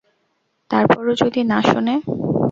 তারপরও যদি না শোনে?